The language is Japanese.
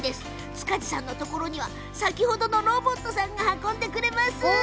塚地さんのところには先ほどのロボットさんが運んでくれます。